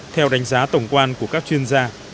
theo đánh giá tổng quan của các chuyên gia